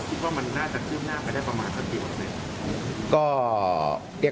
คิดว่ามันน่าจะขึ้นหน้าไปได้ประมาณสักกี่เปอร์เซ็นต์